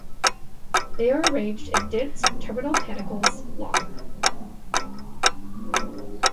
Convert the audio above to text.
They are arranged in dense, terminal panicles long.